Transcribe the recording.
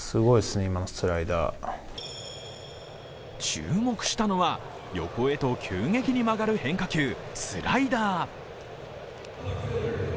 注目したのは、横へと急激に曲がる変化球スライダー。